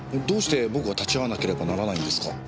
どうして僕が立ち会わなければならないんですか？